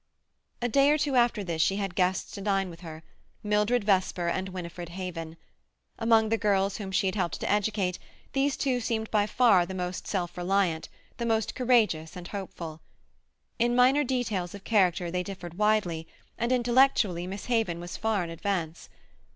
A day or two after this she had guests to dine with her—Mildred Vesper and Winifred Haven. Among the girls whom she had helped to educate, these two seemed by far the most self reliant, the most courageous and hopeful. In minor details of character they differed widely, and intellectually Miss Haven was far in advance.